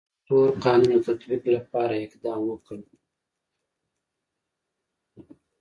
یا هم د تور قانون د تطبیق لپاره اقدام وکړ.